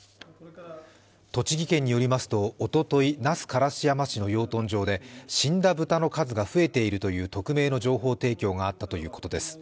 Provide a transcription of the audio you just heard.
栃木県によりますと、おととい、那須烏山市の養豚場で死んだ豚の数が増えているという匿名の情報提供があったということです。